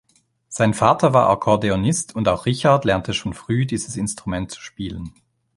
Sein Vater war Akkordeonist und auch Richard lernte schon früh, dieses Instrument zu spielen.